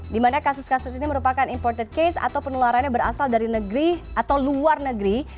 dimana kasus kasus ini merupakan imported case atau penularannya berasal dari negeri atau luar negeri